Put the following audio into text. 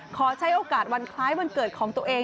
ขอใช้โอกาสวันคล้ายวันเกิดของตัวเอง